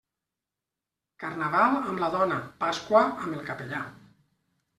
Carnaval amb la dona, Pasqua amb el capellà.